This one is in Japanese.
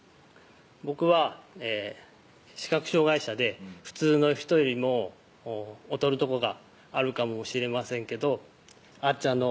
「僕は視覚障害者で普通の人よりも劣るとこがあるかもしれませんけどあっ